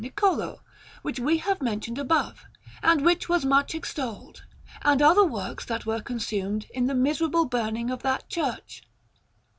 Niccolò, which we have mentioned above, and which was much extolled, and other works that were consumed in the miserable burning of that church.